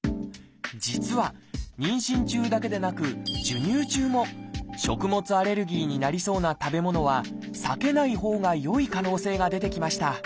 実は妊娠中だけでなく授乳中も食物アレルギーになりそうな食べ物は避けないほうがよい可能性が出てきました。